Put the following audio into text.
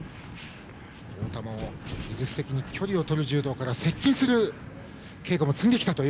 太田は距離をとる柔道から接近する稽古も積んできたという